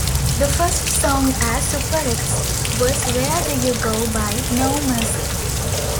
The first song as "SuperX" was "Where Do You Go" by No Mercy.